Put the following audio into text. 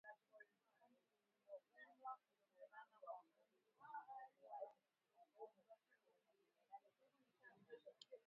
Kundi liliundwa kutoka kwa kundi lililokuwa likiongozwa na Jenerali Bosco Ntaganda.